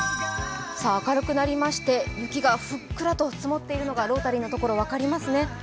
明るくなりまして、雪がふっくらと積もっているのがロータリーのところ分かりますね。